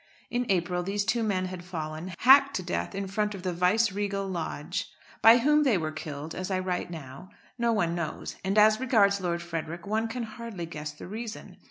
In April these two men had fallen, hacked to death in front of the Viceregal Lodge. By whom they were killed, as I write now, no one knows, and as regards Lord Frederick one can hardly guess the reason.